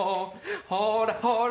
ほらほら